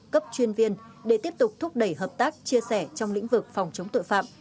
cấp chuyên viên để tiếp tục thúc đẩy hợp tác chia sẻ trong lĩnh vực phòng chống tội phạm